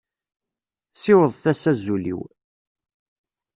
Siwḍet-as azul-iw.